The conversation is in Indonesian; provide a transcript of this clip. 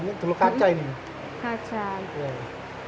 ini dulu ada batasnya ini dulu kaca ini